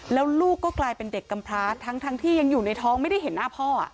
แล้วลูกก็กลายเป็นเด็กกำพระทั้งที่ยังอยู่ในท้องไม่ได้เห็นหน้าพ่อ